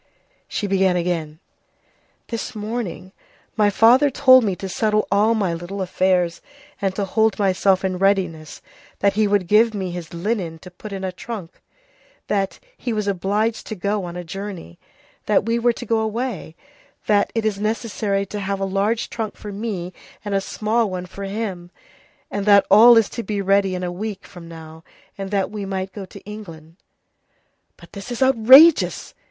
She began again:— "This morning my father told me to settle all my little affairs and to hold myself in readiness, that he would give me his linen to put in a trunk, that he was obliged to go on a journey, that we were to go away, that it is necessary to have a large trunk for me and a small one for him, and that all is to be ready in a week from now, and that we might go to England." "But this is outrageous!"